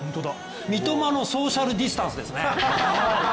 三笘のソーシャルディスタンスですね。